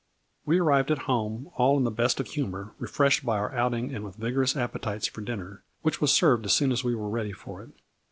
We arrived at home all in the best of humor, refreshed by our outing and with vigor ous appetites for dinner, which was served as soon as we were ready for it.